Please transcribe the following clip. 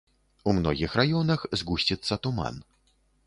У многіх раёнах згусціцца туман.